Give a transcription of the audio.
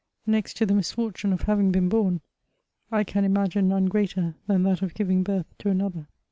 Next to the misfortune of having been born, I can imagine none greater than that of giving birth to another.